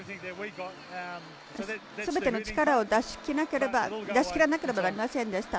すべての力を出しきらなければなりませんでした。